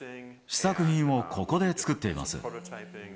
試作品をここで作っています。